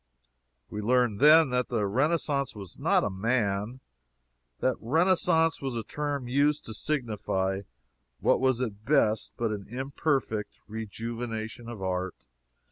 We learned, then, that Renaissance was not a man; that renaissance was a term used to signify what was at best but an imperfect rejuvenation of art.